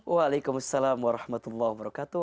waalaikumsalam warahmatullahi wabarakatuh